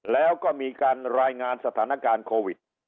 แล้วก็มีการรายงานสถานการณ์โควิด